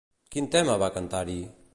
Quin tema va cantar-hi?